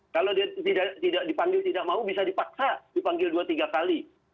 kalau dia tidak dipanggil tidak mau bisa dipaksa dipanggil dua tiga kali